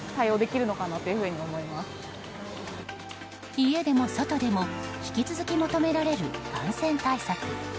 家でも外でも引き続き求められる感染対策。